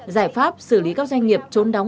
giải pháp xử lý các doanh nghiệp trốn đóng